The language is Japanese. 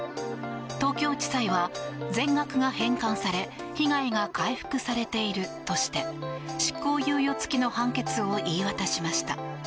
東京地裁は全額が返還され被害が回復されているとして執行猶予付きの判決を言い渡しました。